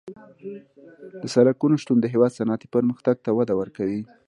د سرکونو شتون د هېواد صنعتي پرمختګ ته وده ورکوي